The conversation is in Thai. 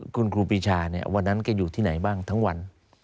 คุณครูปีชาเนี่ยวันนั้นแกอยู่ที่ไหนบ้างทั้งวัน